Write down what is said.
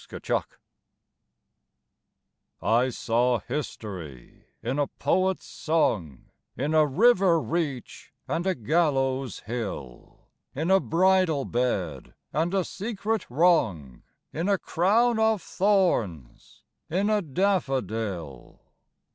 SYMBOLS I saw history in a poet's song, In a river reach and a gallows hill, In a bridal bed, and a secret wrong, In a crown of thorns: in a daffodil.